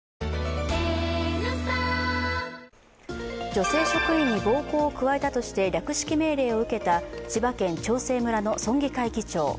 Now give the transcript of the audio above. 女性職員に暴行を加えたとして略式命令を受けた千葉県長生村の村議会議長。